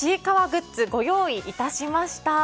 グッズご用意いたしました。